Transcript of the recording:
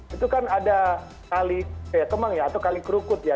itu kan ada kali kayak kemang ya atau kali kerukut ya